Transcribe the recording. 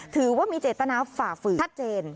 ถือว่ามีเจตนาฝ่าฝืนชัดเจน